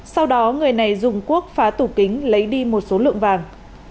sau đó người này dùng quốc phá tủ kính lấy đi một số lượng vàng